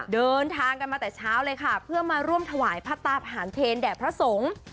เดินทางกันมาแต่เช้าเลยค่ะเพื่อมาร่วมถวายพระตาผ่านเทรแด่พระสงฆ์